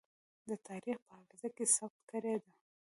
د تاريخ په حافظه کې ثبت کړې ده.